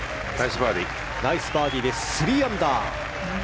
ナイスバーディーで３アンダー。